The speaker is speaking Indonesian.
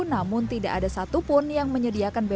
namun tidak ada satupun yang menyediakan bbm